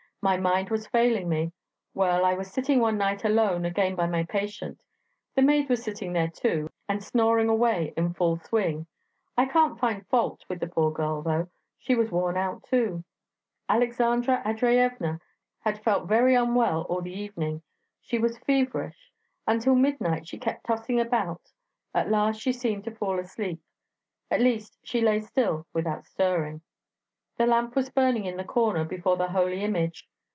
My mind was failing me. Well, I was sitting one night alone again by my patient. The maid was sitting there too, and snoring away in full swing; I can't find fault with the poor girl, though; she was worn out too. Aleksandra Andreyevna had felt very unwell all the evening; she was very feverish. Until midnight she kept tossing about; at last she seemed to fall asleep; at least, she lay still without stirring. The lamp was burning in the corner before the holy image.